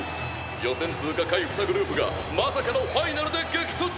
予選通過下位２グループがまさかのファイナルで激突！